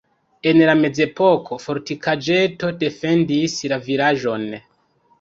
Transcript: En la mezepoko fortikaĵeto defendis la vilaĝon.